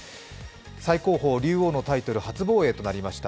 最高峰・竜王のタイトル、初防衛となりました。